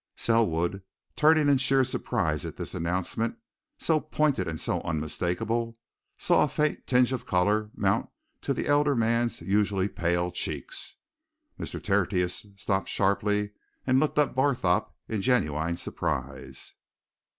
Selwood, turning in sheer surprise at this announcement, so pointed and so unmistakable, saw a faint tinge of colour mount to the elder man's usually pale cheeks. Mr. Tertius stopped sharply and looked at Barthorpe in genuine surprise.